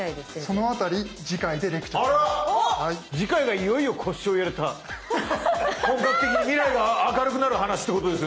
その辺り次回がいよいよ腰を入れた本格的に未来が明るくなる話ってことですよね